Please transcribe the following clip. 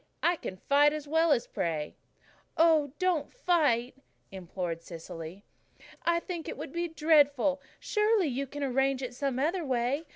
I can fight as well as pray." "Oh, don't fight," implored Cecily. "I think it would be dreadful. Surely you can arrange it some other way.